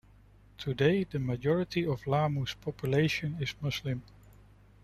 Today, the majority of Lamu's population is Muslim.